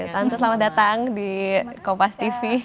tante selamat datang di kompas tv